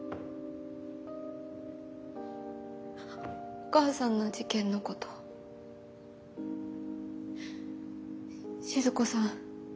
お母さんの事件のこと静子さん